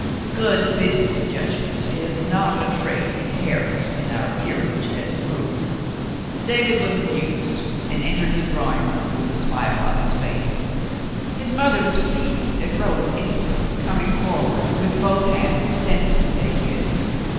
Good business judgment is not a trait inherent in our peer age, as a rule." David was amused and entered the drawing room with a smile on his face. His mother was pleased and rose in stantly, coming forward with both hands extended to take his.